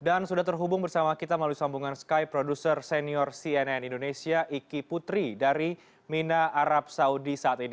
dan sudah terhubung bersama kita melalui sambungan sky produser senior cnn indonesia iki putri dari mina arab saudi saat ini